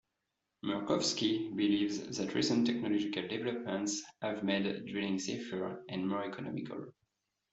Murkowski believes that recent technological developments have made drilling safer and more economical.